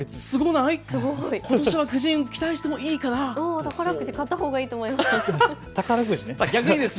宝くじ、買ったほうがいいと思いますよ。